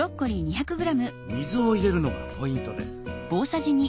水を入れるのがポイントです。